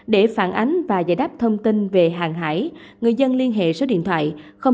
để phản ánh và giải đáp thông tin về hàng hải người dân liên hệ số điện thoại